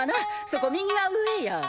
そこ右が上や。